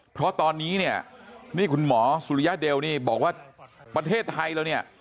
เพราะตอนนี้นี่คุณหมอสุริยะเดวนี่บอกว่าประเทศไทยแล้ว